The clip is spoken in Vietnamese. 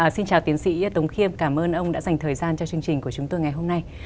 xin chào tiến sĩ tống khiêm cảm ơn ông đã dành thời gian cho chương trình của chúng tôi ngày hôm nay